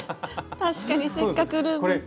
確かにせっかくループ。